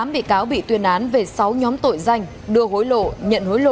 ba mươi tám bị cáo bị tuyên án về sáu nhóm tội danh đưa hối lộ nhận hối lộ